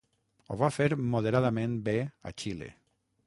Ho va fer moderadament bé a Xile.